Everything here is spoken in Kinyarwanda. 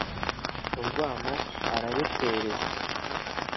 urwamo ararutereza